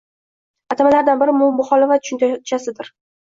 atamalardan biri - bu “muxolifat” tushunchasidir.